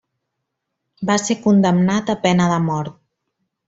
Va ser condemnat a pena de mort.